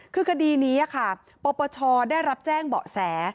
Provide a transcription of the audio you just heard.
คือคดีนี้ค่ะปปชได้รับแจ้งเบาะแส